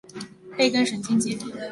背根神经节。